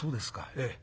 ええ。